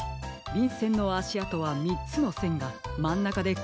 びんせんのあしあとはみっつのせんがまんなかでこうさしています。